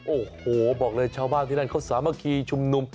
โอ้โหบอกเลยชาวบ้านที่นั่นเขาสามัคคีชุมนุม